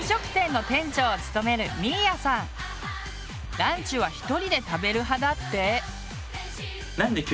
ランチは１人で食べる派だって。